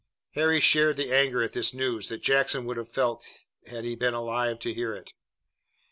Harry shared the anger at this news that Jackson would have felt had he been alive to hear it.